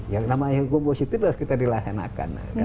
yang namanya hukum positif harus kita dilaksanakan